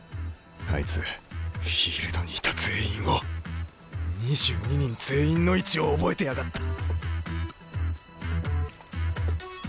あいつフィールドにいた全員を２２人全員の位置を覚えてやがった！